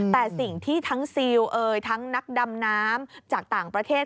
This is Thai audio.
แต่สิ่งที่ทั้งซิลเอ่ยทั้งนักดำน้ำจากต่างประเทศ